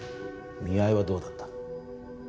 見合いはどうだった？